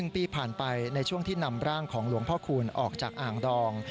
๑ปีผ่านไปในช่วงที่นำร่างของหลวงพ่อคูณออกจากอ่างดอง